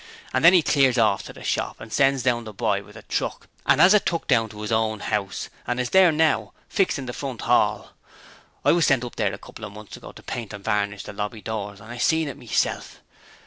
And then 'e clears orf to the shop and sends the boy down with the truck and 'as it took up to 'is own 'ouse, and it's there now, fixed in the front 'all. I was sent up there a couple of months ago to paint and varnish the lobby doors and I seen it meself.